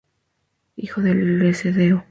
Hijo del Lcdo.